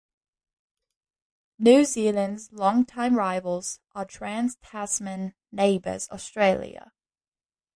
New Zealand's long time rivals are Trans-Tasman neighbors Australia.